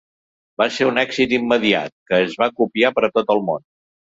Va ser un èxit immediat, que es va copiar per tot el món.